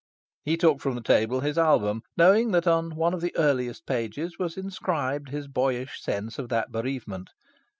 He took from the table his album, knowing that on one of the earliest pages was inscribed his boyish sense of that bereavement.